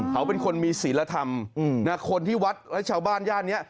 เขาเป็นคนมีศิลธรรมนะคนที่วัดและชาวบ้านย่านนี้